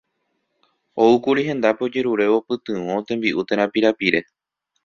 Oúkuri hendápe ojerurévo pytyvõ, tembi'u térã pirapire.